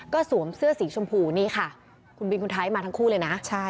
ก็สวมเสื้อสีชมพูนี่ค่ะคุณบินคุณไทยมาทั้งคู่เลยนะ